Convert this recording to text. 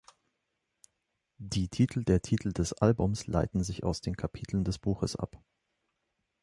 Die Titel der Titel des Albums leiten sich aus den Kapiteln des Buches ab.